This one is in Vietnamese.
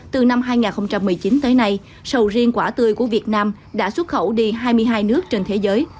từ năm hai nghìn một mươi chín tới nay sầu riêng quả tươi của việt nam đã xuất khẩu đi hai mươi hai nước trên thế giới